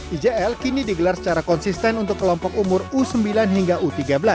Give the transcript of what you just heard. ijl kini digelar secara konsisten untuk kelompok umur u sembilan hingga u tiga belas